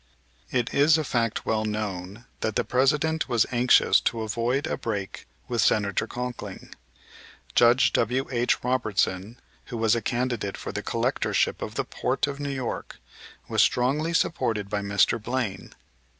It is a fact well known that the President was anxious to avoid a break with Senator Conkling. Judge W.H. Robertson, who was a candidate for the Collectorship of the port of New York was strongly supported by Mr. Blaine.